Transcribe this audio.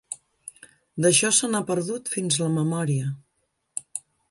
D'això, se n'ha perdut fins la memòria.